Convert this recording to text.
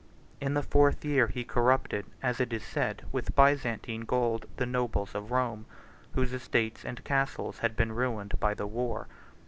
In the fourth year he corrupted, as it is said, with Byzantine gold, the nobles of Rome, whose estates and castles had been ruined by the war.